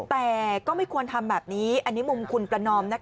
แต่ก็ไม่ควรทำแบบนี้อันนี้มุมคุณประนอมนะคะ